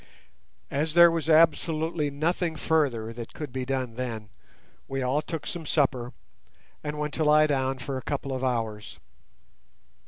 As there was absolutely nothing further that could be done then we all took some supper, and went to lie down for a couple of hours.